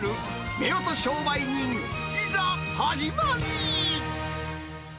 夫婦商売人、いざ始まり。